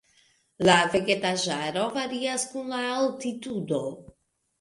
La vegetaĵaro varias kun la altitudo.